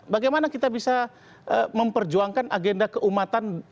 bagaimana kita bisa memperjuangkan agenda keumatan